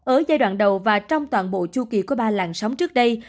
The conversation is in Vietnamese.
ở giai đoạn đầu và trong toàn bộ chu kỳ của ba làn sóng trước đây